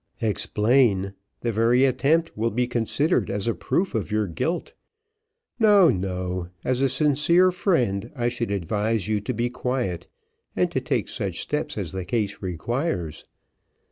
"Explain the very attempt will be considered as a proof of your guilt; no, no, as a sincere friend I should advise you to be quiet, and to take such steps as the case requires.